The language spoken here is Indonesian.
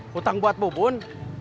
hutang buat bu bun